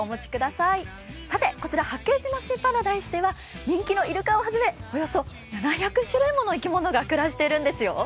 さて、こちら八景島シーパラダイスでは人気のイルカをはじめおよそ７００種類もの生き物が暮らしているんですよ。